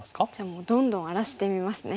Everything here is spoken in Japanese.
もうどんどん荒らしてみますね。